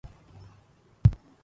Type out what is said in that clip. خطرات الصبا تشوق النفيسا